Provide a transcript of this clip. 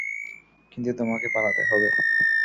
কিন্তু তোমাকে পালাতে হবে।